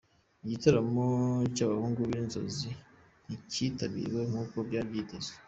Igitaramo cya abahungu binzozi nticyitabiriwe nk’uko byari byitezwe